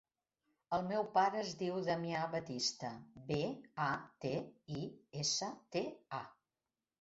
El meu pare es diu Damià Batista: be, a, te, i, essa, te, a.